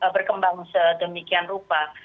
berkembang sedemikian rupa